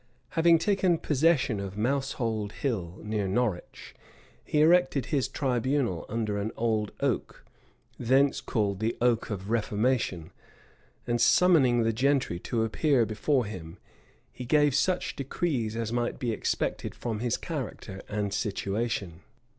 Having taken possession of Moushold Hill near Norwich, he erected his tribunal under an old oak, thence called the oak of reformation; and summoning the gentry to appear before him, he gave such decrees as might be expected from his character and situation.